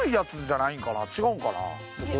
違うんかな？